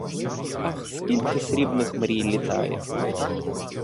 Ах, скільки срібних мрій літає!